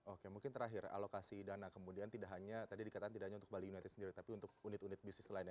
oke mungkin terakhir alokasi dana kemudian tidak hanya untuk bali united sendiri tapi untuk unit unit bisnis lain